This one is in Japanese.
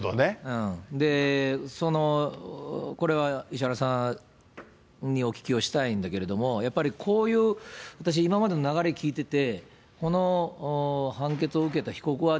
で、これは石原さんにお聞きをしたいんだけれども、やっぱりこういう、私、今までの流れ聞いてて、この判決を受けた被告は、